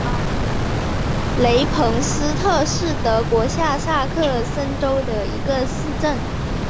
雷彭斯特是德国下萨克森州的一个市镇。